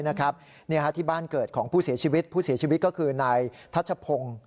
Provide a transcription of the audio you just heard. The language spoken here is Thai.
ที่บ้านเกิดของผู้เสียชีวิตผู้เสียชีวิตก็คือนายทัชพงศ์